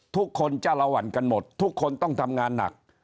ทุกคนจ้าละวันกันหมดทุกคนต้องทำงานหนัก